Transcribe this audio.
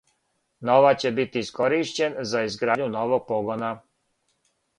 Новац ће бити искоришћен за изградњу новог погона.